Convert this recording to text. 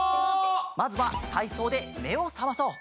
まずはたいそうでめをさまそう！